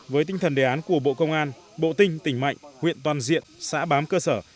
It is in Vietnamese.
với tinh thần đề án của bộ công an bộ tinh tỉnh mạnh huyện toàn diện xã bám cơ sở